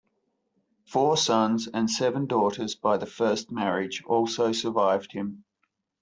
Four sons and seven daughters by the first marriage also survived him.